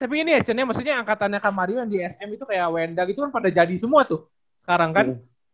tapi ini actionnya maksudnya angkatannya kamaru yang di sm itu kayak wenda gitu kan pada jadi semua tuh sekarang kan